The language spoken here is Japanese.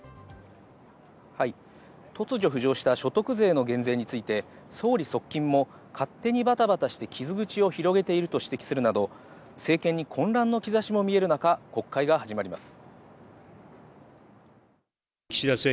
はい、突如、浮上した所得税の減税について、総理側近も勝手にバタバタして、傷口を広げていると指摘するなど、政権に混乱の兆しも見える中、国会が始まります。